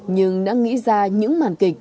nhưng đã nghĩ ra những màn kịch